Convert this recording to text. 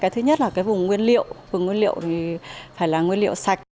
thứ nhất là cái vùng nguyên liệu vùng nguyên liệu thì phải là nguyên liệu sạch